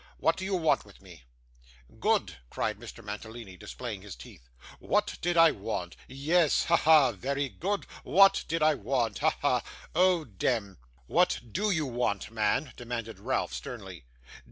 'What do you want with me?' 'Good!' cried Mr. Mantalini, displaying his teeth. 'What did I want! Yes. Ha, ha! Very good. WHAT did I want. Ha, ha. Oh dem!' 'What DO you want, man?' demanded Ralph, sternly.